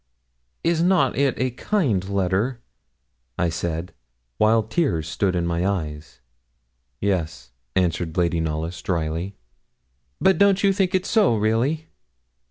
'Is not it a kind letter?' I said, while tears stood in my eyes. 'Yes,' answered Lady Knollys, drily. 'But don't you think it so, really?'